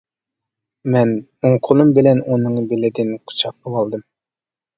مەن ئوڭ قولۇم بىلەن ئۇنىڭ بېلىدىن قۇچاقلىۋالدىم.